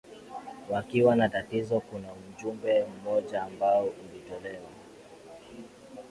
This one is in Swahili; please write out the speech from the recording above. wakiwa na tatizo kuna mjumbe mmoja ambao unatolewa